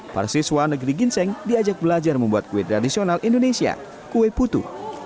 para siswa negeri ginseng diajak belajar membuat kue tradisional indonesia kue putu